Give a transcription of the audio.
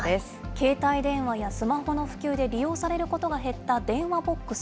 携帯電話やスマホの普及で利用されることが減った電話ボックス。